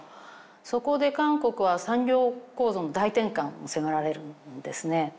そこで韓国は産業構造の大転換を迫られるんですね。